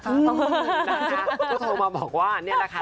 ก็โทรมาบอกว่านี่แหละค่ะ